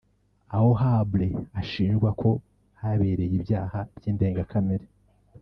aho Habré ashinjwa ko habereye ibyaha by’indengakamere